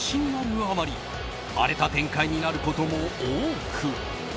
あまり荒れた展開になることも多く。